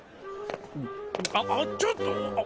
あっちょっと！